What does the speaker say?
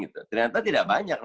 ternyata tidak banyak